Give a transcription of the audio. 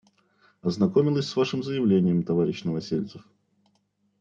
Ознакомилась с Вашим заявлением, товарищ Новосельцев.